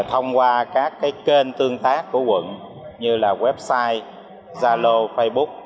thông qua các kênh tương tác của quận như là website zalo facebook